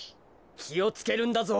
きをつけるんだぞ。